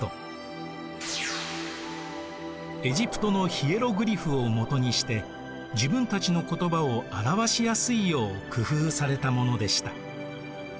エジプトのヒエログリフを基にして自分たちの言葉を表しやすいよう工夫されたものでした。